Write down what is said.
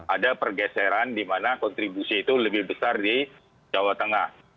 ada pergeseran di mana kontribusi itu lebih besar di jawa tengah